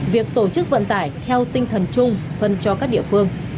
việc tổ chức vận tải theo tinh thần chung phân cho các địa phương